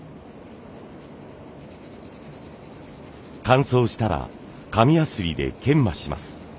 乾燥したら紙やすりで研磨します。